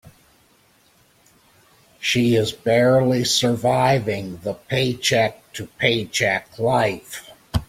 She is barely surviving the paycheck to paycheck life.